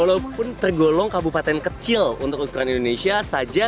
walaupun tergolong kabupaten kecil untuk ukuran indonesia saja